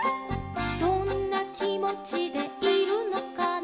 「どんなきもちでいるのかな」